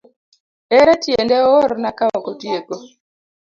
Ere tiende oorna kaok otieko.